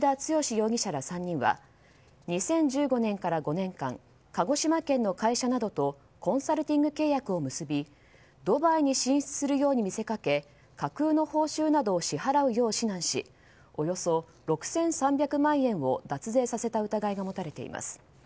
容疑者ら３人は２０１５年から５年間鹿児島県の会社などとコンサルティング契約を結びドバイに進出するように見せかけ架空の報酬などを支払うよう指南しおよそ６３００万円を脱税させた疑いが持たれています。